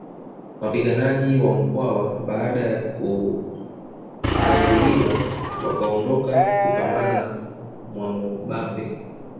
Wapiganaji wa Mkwawa baada ya kuganguliwa wakaondoka kupambana na Mwamubambe